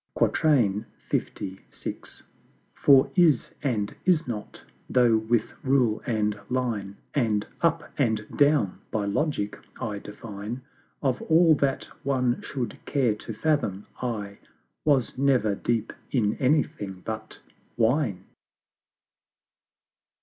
LVI. For "Is" and "Is not" though with Rule and Line And "UP AND DOWN" by Logic I define, Of all that one should care to fathom, I was never deep in anything but Wine.